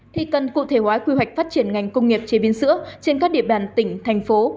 thì cần cụ thể hóa quy hoạch phát triển ngành công nghiệp chế biến sữa trên các địa bàn tỉnh thành phố